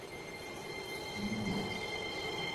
干净宽广的店面成功从丹尼炸鸡店抢回不少顾客。